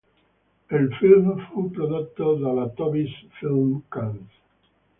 Il film fu prodotto dalla Tobis Filmkunst.